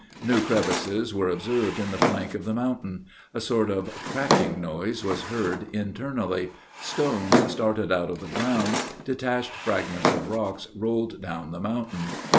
New crevices were observed in the flank of the mountain; a sort of cracking noise was heard internally; stones started out of the ground; detached fragments of rocks rolled down the mountain.